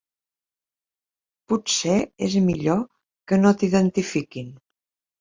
Potser és millor que no t'identifiquin.